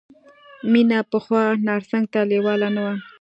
مینه پخوا نرسنګ ته لېواله نه وه